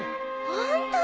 ホントだ。